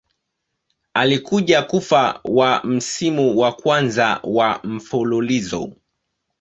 Alikuja kufa wa msimu wa kwanza wa mfululizo.